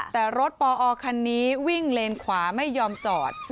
แต่รถปอคันนี้วิ่งเลนขวาไม่ยอมจอด